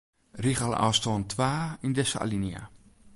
Rigelôfstân twa yn dizze alinea.